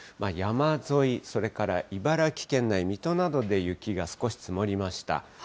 山沿い、それから茨城県内、水戸などで雪が少し積もりました。